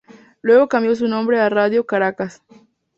Luego cambió su nombre a Radio Caracas.